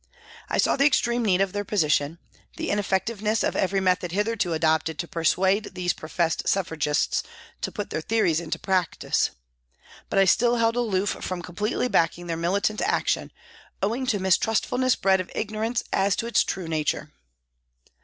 I saw the extreme need of their position, the in effectiveness of every method hitherto adopted to persuade these professed Suffragists to put their theories into practice. But I still held aloof from completely backing their militant action owing to mistrustfulness bred of ignorance as to its true nature.